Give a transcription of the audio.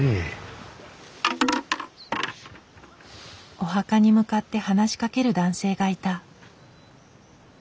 お墓に向かって話しかける男性がいた。